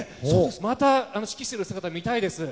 また指揮する姿が見たいです。